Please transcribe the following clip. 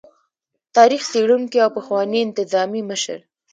تاريخ څيړونکي او پخواني انتظامي مشر